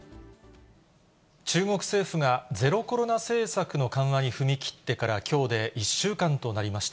中国政府がゼロコロナ政策の緩和に踏み切ってから、きょうで１週間となりました。